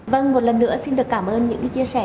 vâng một lần nữa xin được cảm ơn những chia sẻ